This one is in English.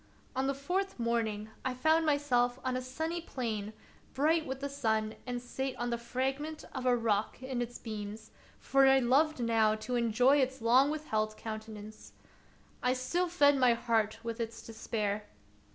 On the fourth morning I found myself on a sandy plain bright with the sun, and sate on the fragment of a rock in its beams, for I loved now to enjoy its long withheld countenance. I still fed my heart with its despair.